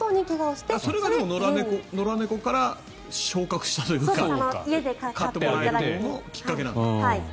それは野良猫から昇格したというか飼ってもらうようになったきっかけなんだ。